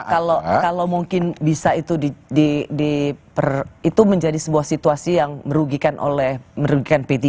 kalau mungkin bisa itu menjadi sebuah situasi yang merugikan oleh merugikan p tiga